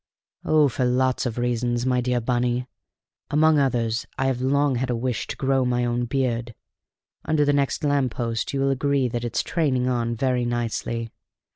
Oh, for lots of reasons, my dear Bunny; among others, I have long had a wish to grow my own beard; under the next lamppost you will agree that it's training on very nicely.